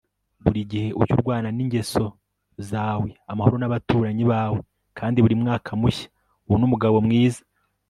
buri gihe ujye urwana n'ingeso zawe, amahoro n'abaturanyi bawe, kandi buri mwaka mushya ubone umugabo mwiza